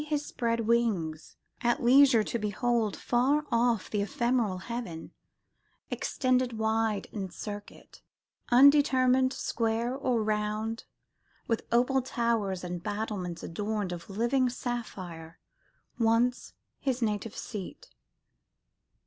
his spread wings, at leisure to behold Far off the empyreal Heaven, extended wide In circuit, undetermined square or round, With opal towers and battlements adorned Of living sapphire, once his native seat."